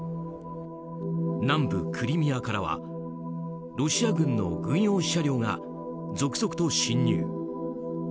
南部クリミアからはロシア軍の軍用車両が続々と侵入。